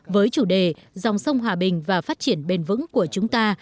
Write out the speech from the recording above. với chủ đề dòng sông hòa bình và phát triển bền vững của chúng ta